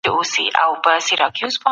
که څېړنه روانه وي نو اټکل نه منل کېږي.